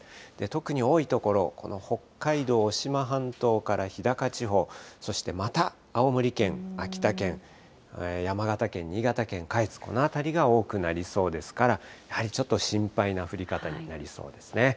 特に多い所、この北海道渡島半島から日高地方、そして、また青森県、秋田県、山形県、新潟県、下越、この辺りが多くなりそうですから、やはりちょっと心配な降り方になりそうですね。